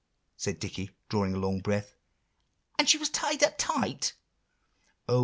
said Dicky, drawing a long breath. "And was she tied up tight?" "Oh!